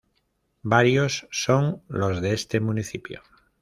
Varios son los de este municipio.